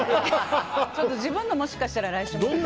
ちょっと自分の、もしかしたら来週は持ってくるかも。